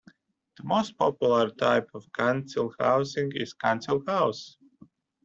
The most popular type of council housing is a council house